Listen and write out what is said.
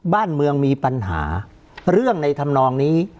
บ้านเมืองมีปัญหาเรื่องในธรรมนองนี้